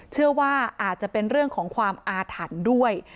เชื่อว่าอาจจะเป็นเรื่องของความอาถรรพ์ด้วย